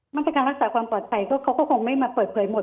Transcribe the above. มาตรการรักษาความปลอดภัยเขาก็คงไม่มาเปิดเผยหมด